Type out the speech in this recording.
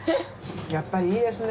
やっぱりいいですね。